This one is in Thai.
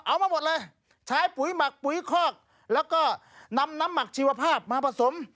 เอามาหมดเลยใช้ปุ๋ยหมักปุ๋ยคอกแล้วก็นำน้ำหมักชีวภาพมาผสม